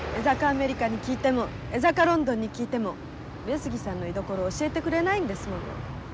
アメリカに聞いても江坂ロンドンに聞いても上杉さんの居所教えてくれないんですもの。